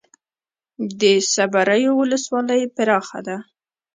د صبریو ولسوالۍ پراخه ده